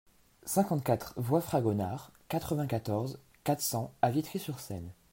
cinquante-quatre voie Fragonard, quatre-vingt-quatorze, quatre cents à Vitry-sur-Seine